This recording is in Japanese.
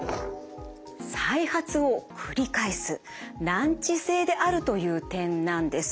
再発を繰り返す難治性であるという点なんです。